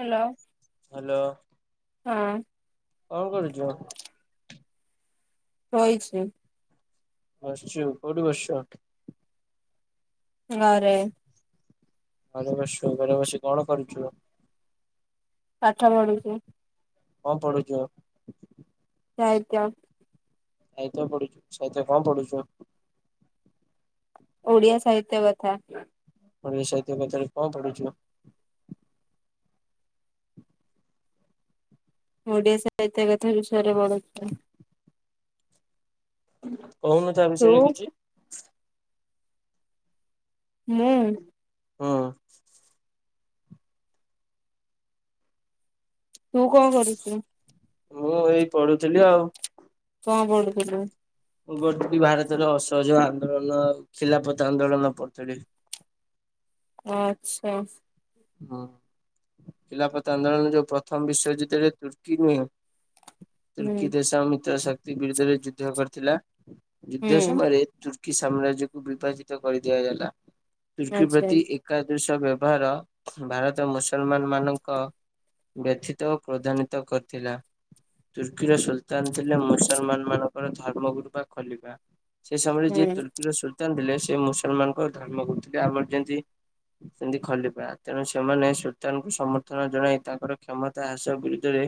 Hello hello. ହଁ। କଣ କରୁଚ। ବଇଛି। ବସିଛୁ କଉଠି ବସିଚ। ଘରେ। ଘରେ ବସିଚୁ ଘରେ ବସି କଣ କରୁଛୁ। ପାଠ ପଢୁଚି। କଣ ପଢୁଚୁ। ସାଇତ୍ୟ। ସାହିତ୍ୟ ପଢଡୁଛୁ ସାହିତ୍ୟ କଣ ପଡୁଛୁ। ଓଡ଼ିଆ ସାହିତ୍ୟ କଥା। ଓଡ଼ି ସାହିତ୍ୟ କଥା ରେ କଣ ପଡୁଛୁ। ଓଡ଼ିଆ ସାହିତ୍ୟ କଥା ବିଷରେ ପଡୁଚି। [inaudible] କହୁନୁ ତା ତୁ ବିଷୟରେ କିଛି। ମୁଁ। ହଁ। ତୁ କଣ କରୁଛୁ? ମୁଁ ଏଇ ପଢୁଥିଲି ଆଉ। କଣ ପଡୁ ଥିଲୁ। ମୁଁ ପଢ଼ୁଥିଲି ଭାରତରେ ଅସହଯୋଗ ଆନ୍ଦୋଳନ ଆଉ ଖିଲାପତ ଆନ୍ଦୋଳନ ପଢୁଥିଲି। ଆଚ୍ଛା। ହୁଁ ଖିଲାପତ ଆନ୍ଦୋଳନ ଯୋଉ ପ୍ରଥମ ବିଶ୍ଵଯୁଦ୍ଧରେ ତୁର୍କୀ ନୁହଁ। ହୁଁ ତୁର୍କୀ ଦେଶ ମିତ୍ର ଶକ୍ ବିରୁଦ୍ଧରେ ଯୁଦ୍ଧ କରିଥିଲା। ଯୁଦ୍ଧ ହୁଁ ସବାରେ କି ସାମ୍ରାଜ୍ୟକୁ ବିଭାଜିତ କରିଦିଆଗଲା। ତୁର୍କୀ ଆଚ୍ଛା ପ୍ରତି ଏକା ଦୃଶ ବ୍ୟବହାର ଭାରତ ମୁସଲମାନ ମାନଙ୍କ ବ୍ୟଥିତ ଓ କ୍ରୋଧାନ୍ଵିତ କରିଥିଲା। ତୁର୍କୀର ସୁଲତାନ ଥିଲେ ମୁସଲମାନ ମାନଙ୍କର ଧର୍ମଗୁରୁ ବା ଖଲିଫା। ସେ ସମୟରେ ଯିଏ ହୁଁ ତୁର୍କୀର ସୁଲତାନ ଥିଲେ। ସେ ମୁସଲମାନଙ୍କ ଧର୍ମ ଗୁରୁ ଥିଲେ ଆମର ଯେମତି ସେମିତି ଖଲିଫା। ତେଣୁ ସେମାନେ ସୁଲତାନଙ୍କୁ ସମର୍ଥନ ଜଣାଇ ତାଙ୍କର କ୍ଷମତା ହ୍ରାସ ବିରୁଦ୍ଧରେ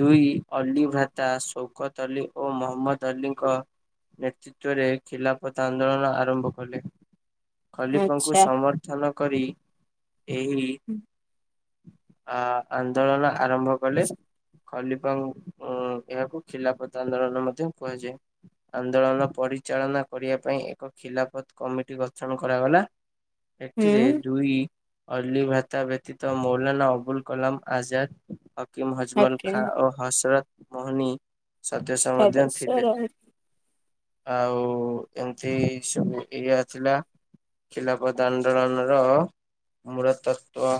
ଦୁଇ ଅଲ୍ଲି ଭ୍ରାତା ଶୌକତ ଅଲ୍ଲି ଓ ମହମ୍ମଦ ଅଲ୍ଲୀଙ୍କ ନେତୃତ୍ୱରେ ଖିଲାପତ ଆନ୍ଦୋଳନ ଆରମ୍ଭ କଲେ। ଖଲିଫା ଙ୍କୁ ଆଚ୍ଛା ସମର୍ଥନ କରି। ଏହି ଆ ଆନ୍ଦୋଳନ ଆରମ୍ଭ କଲେ ଖଲିପା ଉଁ ଏହାକୁ ଖିଲାଫତ ଆନ୍ଦୋଳନ ମଧ୍ୟ କୁହାଯାଏ। ଆନ୍ଦୋଳନ ପରିଚାଳନା କରିବା ପାଇଁ ଏକ ଖିଲାଫତ କମିଟି ଗଠନ କରାଗଲା। ଏଠିରେ ହୁଁ ଦୁଇ ଅଲି ଭ୍ରାତା ବ୍ୟତୀତ ମୌଲାନା ଅବୁଲ କଲାମ ଆଜାଦ କିମ୍ ହଜମଲ ଖାଁ ହାକିମ ଓ ହସରତ ମୋହନି ସଦସ୍ୟ ମଧ୍ୟ ସଦସ୍ୟ ଥିଲେ। ରହି ଆଉ ଏମିତି ସବୁ ଇଆ ଥିଲା ଖିଲାଫଦ ଆନ୍ଦୋଳନ ର ମୂଳ ତତ୍ତ୍ୱ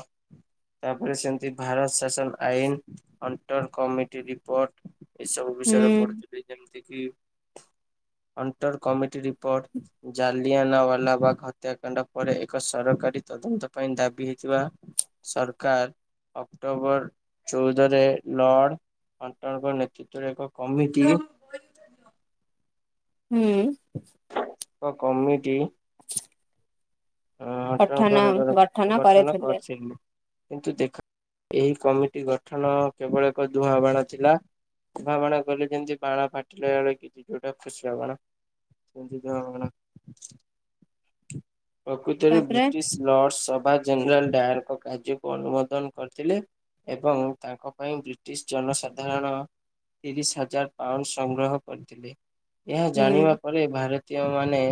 ତାପରେ ସେମିତି ଭାରତ ଶାସନ ଆଇନ ଅଣ୍ଟର କମିଟି ରିପୋର୍ଟ ଏଇ ସବୁ ହୁଁ ବିଷୟରେ ପଢୁଥିଲି ଯେମିତି କି ଅଣ୍ଟର କମିଟି ରିପୋର୍ଟ ଜାଲିଆାନ ୱାଲାବାଗ ହତ୍ୟାକାଣ୍ଡ ପରେ ଏକ ସରକାରୀ ତଦନ୍ତ। ପାଇଁ ଦାବି ହେଇଥିବା ସରକାର ଅକ୍ଟୋବର ଚଉଦରେ ଲର୍ଡ ଅଣ୍ଟଙ୍କ ନେତୃତ୍ୱରେ ଏକ କମିଟି ହୁଁ। କ କମିଟି [inaudible] ପଠନ ଗଠନ କରିଥିଲେ। କିନ୍ତୁ ଦେଖ ଏହି କମିଟି ଗଠନ କେବଳ ଏକ ଦୁହାଁବାଣ ଥିଲା ଦୁହାବାଣ କଇଲେ ଯେମିତି ବାଣ ଫାଟିଲା ବେଳେ କିଛି ଯୋଉଟା ଫୁସୁକା ବାଣ ସ ସେମିତି ଧୂଆଁବାଣ। ପ୍ରକୃତରେ ତାପରେ ବ୍ରିଟିଶ ଲର୍ଡ ସଭା ଜେନେରାଲ୍ ଡାର୍ ତା କାର୍ଯ୍ୟକୁ ଅନୁମୋଦନ କରିଥିଲେ ଏବଂ ତାଙ୍କ ପାଇଁ ବ୍ରିଟିଶ ଜନସାଧାରଣ ତିରିଶ ହଜାର ପାଉଣ୍ଡ ସଂଗ୍ରହ କରିଥିଲେ। ଏହା ହୁଁ ଜାଣିବା ପରେ ଭାରତୀୟ ମାନେ।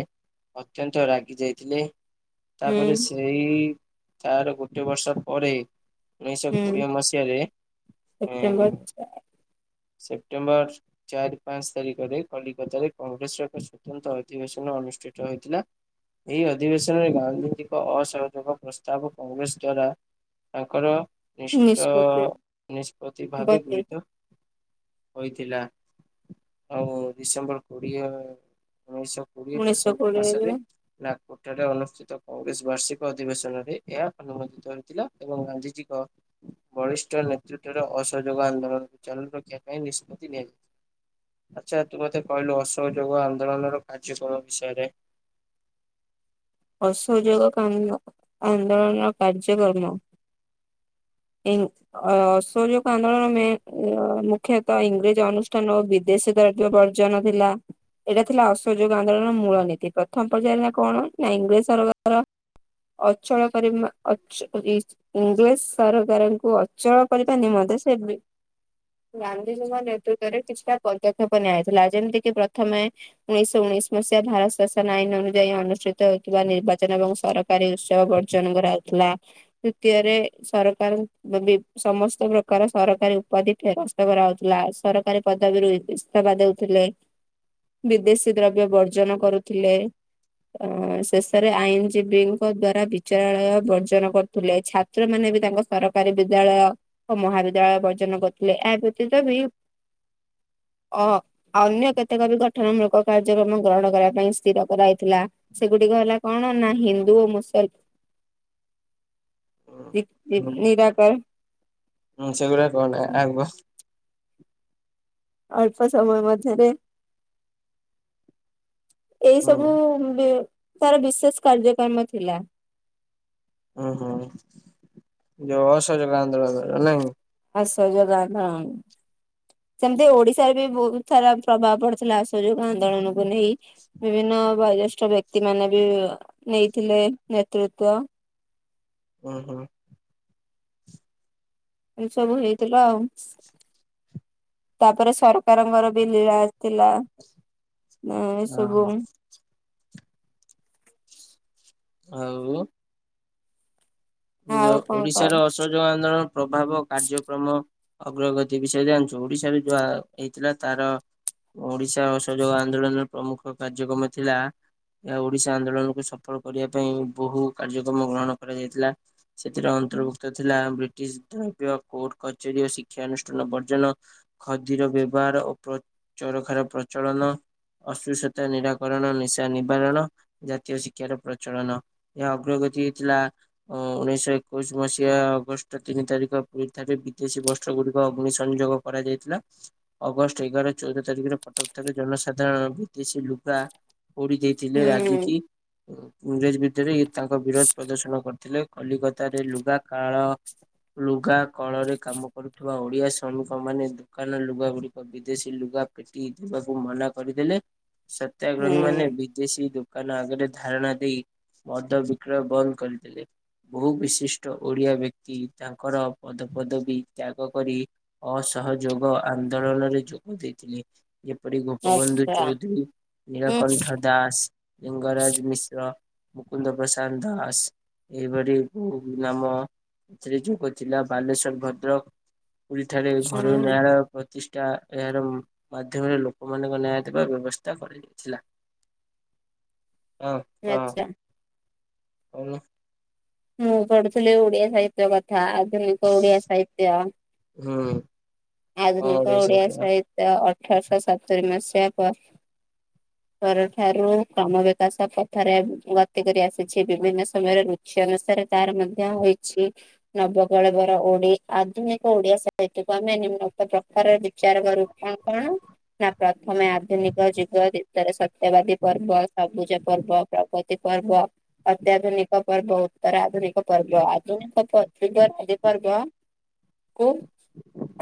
ଅତ୍ୟନ୍ତ ରାଗି ଯାଇଥିଲେ। ହୁଁ ତାପରେ ସେଇ ତାର ଗୋଟେ ବର୍ଷ ପରେ। ଉଣେଇଶହ ହୁଁ କୋଡିଏ ମସିହାରେ ଉଁ। ସେପ୍ଟେମ୍ବର ସେପ୍ଟେମ୍ବର ଚାରି ପାଞ୍ଚ ତାରିଖରେ କଲିକତାରେ କଂଗ୍ରେସର ଏକ ସ୍ଵତନ୍ତ୍ର ଅଧିବେଶନ ଅନୁଷ୍ଠିତ ହୋଇଥିଲା ଏହି ଅ ଅଧିବେଶନରେ ଗାନ୍ଧିଜୀଙ୍କ ଅସହଯୋଗ ପ୍ରସ୍ତାବ କଂଗ୍ରେସ ଦ୍ଵାରା ତାଙ୍କର ନିଷ୍ଟ ନିଷ୍ପତ୍ତି ନିଷ୍ପତ୍ତି ଭାବେ ଗୃହିତ ହୋଇଥିଲା ଆଉ ଡିସେମ୍ବର କୋଡିଏ ଉଣେଇଶହ କୋଡିଏ ଉଣେଇଶହ ଡିସେମ୍ବର ମାସରେ କୋଡିଏରେ ଲା କୋଠାରେ ଅନୁଷ୍ଠିତ କଂଗ୍ରେସ ବାର୍ଷିକ ଅଧିବେଶନରେ ଏହା ଅନୁମୋଦିତ ହୋଇଥିଲା, ଏବଂ ଗାନ୍ଧିଜୀଙ୍କ ବରିଷ୍ଠ ନେତୃତ୍ୱରେ ଅସହଯୋଗ ଆନ୍ଦୋଳନକୁ ଚାଲୁ ରଖିବା ପାଇଁ ନିଷ୍ପତ୍ତି ନିଆଯାଇଥିଲା, ଆଚ୍ଛା ତୁ ମତେ କହିଲୁ ଅସହଯୋଗ ଆନ୍ଦୋଳନର କାର୍ଯ୍ୟକ୍ରମ ବିଷୟରେ। ଅସହଯୋଗ ଆନ୍ଦୋ ଆନ୍ଦୋଳନର କାର୍ଯ୍ୟକ୍ରମ ଅସହଯୋଗ ଆନ୍ଦୋଳନ ମ ମୁଖ୍ୟତଃ ଇଂରେଜ ଅନୁଷ୍ଠାନ ଓ ବିଦେଶ ଦ୍ରବ୍ୟ ବର୍ଜନ ଥିଲା ଏଇଟା ଥିଲା ଅସହଯୋଗ ଆନ୍ଦୋଳନର ମୂଳ ନୀତି ପ୍ରଥମ ପର୍ଯ୍ୟାୟ ନା କଣ? ନା ଇଂରେଜ ସରକାର ଅଚଳ କରିବା। ଅଚ ରି ଇଂରେଜ। ସରକାରଙ୍କୁ ଅ ଚଳ କରିବା ନିମନ୍ତେ ସେ ବି ଗାନ୍ଧୀଜୀଙ୍କ ନେତୃତ୍ୱରେ କିଛିଟା ପଦକ୍ଷେପ ନିଆଯାଇଥିଲା, ଯେମିତିକି ପ୍ରଥମେ ଉଣେଇଶହ ଉଣେଇଶି ମସିହା ଭାରତ ଶାସନ ଆଇନ ଅନୁଯାୟୀ ଅନୁଷ୍ଠିତ। ହେଉଥିବା ନିର୍ବାଚନ ଏବଂ ସରକାରୀ ଉତ୍ସବ ବର୍ଜନ କରାଉଥିଲା ତୃତୀୟରେ ସରକାର ସମସ୍ତ ପ୍ରକାର ସରକାରୀ ଉପାଧି ଫେରସ୍ତ କରାହଉଥିଲା, ସରକାରୀ ପଦବୀରୁ ଇସ୍ତଫା ଦେଉଥିଲେ, ବିଦେଶୀ ଦ୍ରବ୍ୟ ବର୍ଜନ କରୁଥିଲେ। ଅ ଶେଷରେ ଆଇନଜୀବୀଙ୍କ ଦ୍ଵାରା ବିଚାରାଳୟ ବର୍ଜନ କରୁଥିଲେ, ଛାତ୍ର ମାନେ ବି ତାଙ୍କ ସରକାରୀ ବିଦ୍ୟାଳୟ ଓ ମହାବିଦ୍ୟାଳୟ ବର୍ଜନ କରୁଥିଲେ ଏହା ବ୍ୟତୀତ ବି ଅ ଅନ୍ୟ କେତେକ ବି ଗଠନ ମୂଳକ କାର୍ଯ୍ୟକ୍ରମ ଗ୍ରହଣ କରିବା ପାଇଁ ସ୍ଥିର କରାଇଥିଲା। ସେଗୁଡିକ ହେଲା କଣ ନା ହିନ୍ଦୁ ଓ ମୁସଲ ନିରାକରଣ ହଁ [inaudible] ସେଗୁଡା କହନା ଆଗ। ଅଳ୍ପ ସମୟ ମଧ୍ୟରେ। [inaudible] ଏଇ ହୁଁ ସବୁ ବି ତାର ବିଶେଷ କାର୍ଯ୍ୟକ୍ରମ। ଥିଲା। ହୁଁ ହୁଁ ଯୋଉ ଅସହଯୋଗ ଆନ୍ଦୋଳନ ନାଇଁ। ଅସହଯୋଗ ଆନ୍ଦୋଳନ ସେମିତି ଓଡିଶାରେ ବି ବହୁତ ସାରା ପ୍ରଭାବ ପଡିଥିଲା ଅସହଯୋଗ ଆନ୍ଦୋଳନକୁ କୁ ନେଇ ବିଭିନ୍ନ ବ ବ୍ୟକ୍ତି ମାନେ ବି ନେଇଥିଲେ ନେତୃତ୍ଵ। ହ ହୋଁ ଏ ସବୁ ହେଇଥିଲା ଆଉ ତାପରେ ସରକାରଙ୍କର ବି ରା ଥିଲା ଓହୋ। ଏସବୁ। ହଉ। ଆଉ କଣ କହ? ଓଡିଶାରେ ଅସହଯୋଗ ଆନ୍ଦୋଳନ। ପ୍ରଭାବ କାର୍ଯ୍ୟକ୍ରମ ଅଗ୍ରଗତି ବିଷୟରେ ଜାଣିଛୁ ଓଡିଶାରେ ଯାହା ହେଇଥିଲା ତାର ଓଡିଶା ଅସଯୋଗ ଆନ୍ଦୋଳନର ପ୍ରମୁଖ କାର୍ଯ୍ୟକ୍ରମ ଥିଲା ଏହା ଓଡିଶା ଆନ୍ଦୋଳନକୁ ସଫଳ କରିବା ପାଇଁ ବହୁ କାର୍ଯ୍ୟକ୍ରମ ଗ୍ରହଣ କରାଯାଇଥିଲା। ସେଥିରେ ଅନ୍ତର୍ଭୁକ୍ତ ଥିଲା। ଦ୍ରବ୍ୟ କୋର୍ଟ କଚେରୀ ଓ ଶିକ୍ଷାନୁଷ୍ଠାନ ବର୍ଜନ ଖଦିର ବ୍ୟବହାର ଓ ପ୍ରଚରଖାର ପ୍ରଚଳନ ଅସୁସ୍ଥତା ନିରାକରଣ ନିଶା ନିବାରଣ ଜାତୀୟ ଶିକ୍ଷାର ପ୍ରଚଳନ ଏହା ଅଗ୍ରଗତି ହେଇଥିଲା। ଅ ଉଣେଇଶହ ଏକୋଇଶ ମସିହା ଅଗଷ୍ଟ ତିନି ତାରିଖ ପୁରୀ ଥରେ ବିଦେଶୀ ବସ୍ତ୍ର ଗୁଡିକ ଅଗ୍ନି ସଂଯୋଗ କରାଯାଇଥିଲା, ଅଗଷ୍ଟ ଏଗାର ଚଉଦ ତାରିଖରେ କଟକ ଠାରେ ଜନସାଧାରଣଙ୍କୁ ଦେ ସେ ଲୁଗା ପୋଡି ଦେଇଥିଲେ ହୁଁ ରାଗିକି। ଇଂରେଜ ଭିତରେ ତାଙ୍କ ବିରୋଧ ପ୍ରଦର୍ଶନ କରି ଥିଲେ କଲିକତାରେ ଲୁଗା କାଳ ଲୁଗା କଳରେ କାମ କରୁଥିବା ଓଡିଆ ଶ୍ରମିକ ମାନେ ଦୋକାନ ଲୁଗା ଗୁଡିକ ବିଦେଶୀ ଲୁଗା ପେଟି ଦେବାକୁ ମନା କରିଦେଲେ। ହୁଁ ସତ୍ୟାଗ୍ରହୀ ମାନେ ବିଦେଶୀ ଦୁକାନ ଆ ଧାରଣା ଦେଇ ମଦ ବିକ୍ରୟ ବନ୍ଦ କରିଥିଲେ। ବହୁ ବିଶିଷ୍ଟ ଓଡିଆ ବ୍ୟକ୍ତି ତାଙ୍କର ପଦପଦବୀ ତ୍ୟାଗ କରି ଅସହଯୋଗ ଆନ୍ଦୋଳନରେ ଯୋଗ ଦେଇଥିଲେ। ଯେପରି ଗୋପବନ୍ଧୁ ଆଚ୍ଛା ଚୌଧୁରୀ ଉଁ ନୀଳକଣ୍ଠ ଦାସ ଲିଙ୍ଗରାଜ ମିଶ୍ର। ମୁକୁନ୍ଦ ପ୍ରସାଦ ଦାସ। ଏହି ଭଳି ବହୁ ନାମ ଯୋଗ ଥିଲା ବାଲେଶ୍ଵର ଭଦ୍ରକ ପୁରୀ ଠାରେ ଘର ହୁଁ ନ୍ୟାୟାଳୟ ପ୍ରତିଷ୍ଟା ଏହାର ମାଧ୍ୟମରେ ଲୋକମାନଙ୍କ ନ୍ୟାୟ ଥିବା ବ୍ୟବସ୍ଥା କରାଯାଇଥିଲା। ହଁ କହ। ଆଚ୍ଛା। କୋଉ ନ ମୁଁ ପଢୁଥିଲି ଓଡିଆ ସାହିତ୍ୟ କଥା ଆଧୁନିକ ଓଡିଆ ସାହିତ୍ୟ। ହୁଁ। କଣ ଆଧୁନିକ ଗୋଟେ ଓଡ଼ିଆ ଶୋଇଥିଲା ସାହିତ୍ୟ ଅ ଅଠରଶହ ସତୁରି ମସିହା ପରେ ପର ଠାରୁ କ୍ରମ ବିକାଶ ପଥରେ ଗତି କରି ଆସିଛି ବିଭିନ୍ନ ସମୟରେ ରୁଚି ଅନୁସାରେ ତାର ମଧ୍ୟ ହୋଇଛି ନବକଳେବର ଓଡି ଆଧୁନିକ ଓଡିଆ ସାହିତ୍ୟକୁ ଆମେ ନିମ୍ନ ପ୍ରକାରରେ ବିଚାର କରୁ କଣ କଣ ନା ପ୍ରଥମେ ଆଧୁନିକ ଯୁଗ ତାର ସ ଦେବାଦେବୀ ପର୍ବ ସବୁଜ ପର୍ବ ପ୍ରାକୃତିକ ପର୍ବ ଅ ପର୍ବ ଆଧୁନିକ ପ ଫିଗର ଆଦି ବର୍ଗକୁ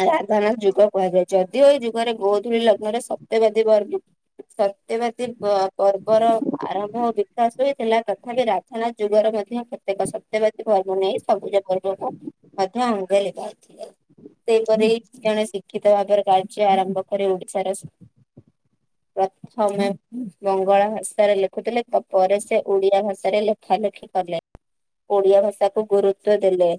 ରାଧାନାଥ ଯୁଗ କୁହାଯାଏ ଯଦିଓ ଏ ଯୁଗରେ ଗୋଧୂଳି ଲଗ୍ନରେ ସତ୍ୟବାଦୀ ବର୍ଗ ସତ ସତ୍ୟବାଦୀ ପର୍ବର ଆରମ୍ଭ ଓ ବିକାଶ ହୋଇଇଥିଲା ତଥାପି ରାଧାନାଥ ଯୁଗର ମଧ୍ୟ କେତେକ ସତ୍ୟବାତୀ ପର୍ବ ନେଇ ସବୁଜ ପର୍ବକୁ ମଧ୍ୟ ଅଙ୍ଗେ ଲିଭାଇ ଥିଲେ ସେହିପରି ଜଣେ ଶିକ୍ଷିତ ଭାବରେ କାର୍ଯ୍ୟ ଆରମ୍ଭ କରି ଓଡିଶାର ପ୍ରଥମେ ବଙ୍ଗଳା ଭାଷାରେ ଲେଖୁଥିଲେ ତା ପରେ ସେ ଓଡିଆ ଭାଷାରେ ଲେଖା ଲେଖି କଲେ ଓଡିଆ ଭାଷା କୁ ଗୁରୁତ୍ୱ ଦେଲେ।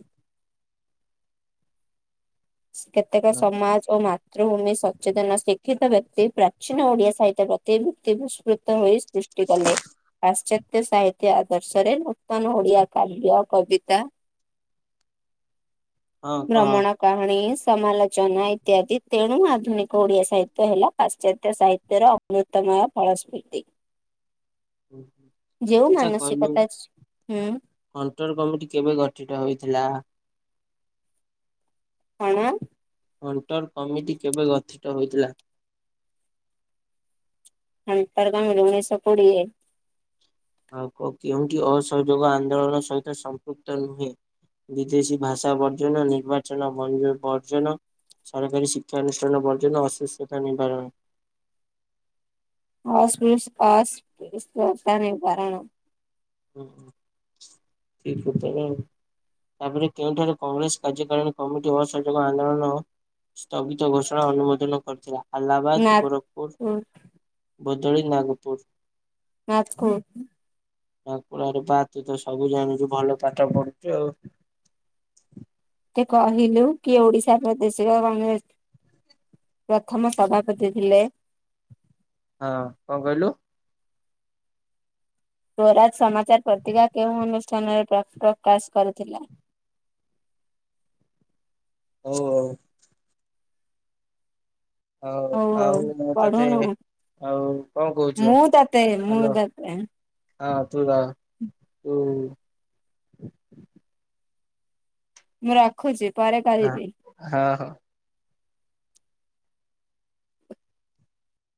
କେତେକ ସମାଜ ଓ ମା ମାତୃଭୂମି ସଚେତନ ଶିକ୍ଷିତ ବ୍ୟକ୍ତି ପ୍ରାଚୀନ ଓଡ଼ିଆ ସାହିତ୍ୟ ପ୍ରତି ପ୍ରିତି ବିସ୍ମୃତମୟୀ ହୋଇ ସୃଷ୍ଟି କଲେ ପାଶ୍ଚାତ୍ୟ ସାହିତ୍ୟ ଆଦର୍ଶରେ ନୂତନ ଓଡିଆ କାବ୍ୟ କବିତା। ହଁ କହ ଭ୍ରମଣ କାହାଣୀ ସମାଲୋଚନା ଇତ୍ୟାଦି ତେଣୁ ଆଧୁନିକ ଓଡ଼ିଆ ସାହିତ୍ୟ ହେଲା ପାଶ୍ଚାତ୍ୟ ସାହି ତର ଅମୃତମୟ ଫଳସ୍କୃତି। ଆଛା କହିଲୁ ମାନସିକତା ହୁଁ ହଣ୍ଟର କମିଟି କେବେ ଗଠିତ ହେଇଥିଲା। କଣ ହଣ୍ଟର କମିଟି କେବେ ଗଠିତ ହୋଇଥିଲା। ହଣ୍ଟର କମିଟି ଉଣେଇଶ କୋଡିଏ। ଆଉ କେଉଁଠି ଅସହଯୋଗ ଆନ୍ଦୋଳନ ସହିତ ସମ୍ପୃକ୍ତ ନୁହେଁ ବିଦେଶୀ ଭାଷା ବର୍ଜନ ନିର୍ବାଚନ ବଜ ବର୍ଜନ ସରକାରୀ ଶିକ୍ଷାନୁଷ୍ଠାନ ବର୍ଜନ ଅସୁସ୍ଥତା ନିବାରଣ। ଅସପୁସ୍ ଅସ୍ପୃଶତା ନିିବାରଣ। ଠିକ୍ ଉତ୍ତର ତାପରେ କେଉଁଠାରେ କଂଗ୍ରେସ କାର୍ଯ୍ୟକାରିଣୀ କମିଟି ଅସଯୋଗ ଆନ୍ଦୋଳନ ସ୍ଥଗିତ ଘୋଷଣା ଅନୁମୋଦନ କରିଥିଲା? ଆହ୍ଲାବାଦ, ନାଥୁ ଗୋରଖପୁର ବର୍ଦଲି ନାଗପୁର। ନା କୁ ନା କୁରେପା ତୁ ତ ସବୁ ଜାଣୁଛୁ ଭଲ ପାଠ ପଢୁଛୁ ଆଉ। ମତେ କହିଲୁ କିଏ ଓଡିଶା ପ୍ରଦେଶିକ କଂଗ୍ରେସ ପ୍ରଥମ ସଭାପତି ଥିଲେ? ହଁ କଣ କହିଲୁ? ସ୍ୱରାଜ ସମାଚାର ପତ୍ରିକା କେଉଁ ଅନୁଷ୍ଠାନରେ ପ୍ରକାଶ କରୁଥିଲା? ହଉ ହଉ। ହଉ ଆଉ ହଉ ମୁଁ ତତେ ପଢୁନୁ ଆଉ କଣ କହୁଛୁ? ମୁଁ ତତେ ମୁଁ ହ୍ୟାଲୋ ତତେ ଆ [unintelligible] ତୁ [unintelligible] ମୁଁ ରାଖୁଚି। ହଁ ହଁ ହଁ।